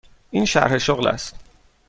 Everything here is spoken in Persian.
این شرح شغل است.